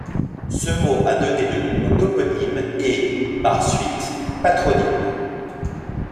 Ce mot a donné de nombreux toponymes et, par suite, patronymes.